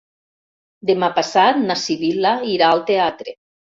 Demà passat na Sibil·la irà al teatre.